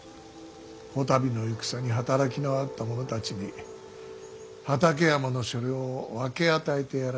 こたびの戦に働きのあった者たちに畠山の所領を分け与えてやらねえとな。